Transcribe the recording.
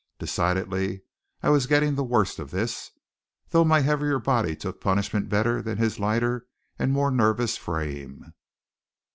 Decidedly I was getting the worst of this; though my heavier body took punishment better than his lighter and more nervous frame.